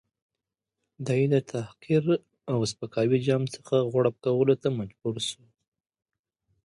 دی د تحقیر او سپکاوي جام څخه غوړپ کولو ته مجبور شو.